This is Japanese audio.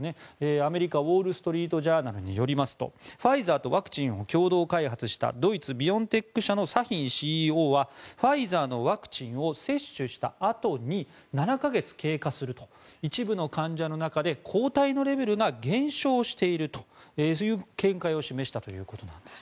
アメリカのウォール・ストリート・ジャーナルによりますとファイザーとワクチンを共同開発したドイツ、ビオンテック社のサヒンＣＥＯはファイザーのワクチンを接種したあとに７か月経過すると一部の患者の中で抗体のレベルが減少しているという見解を示したということなんです。